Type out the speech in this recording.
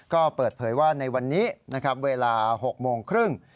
ก็เปิดเผยว่าในวันนี้นะครับเวลา๖โมงครึ่ง